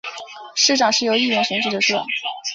市长是由议员选举得出的。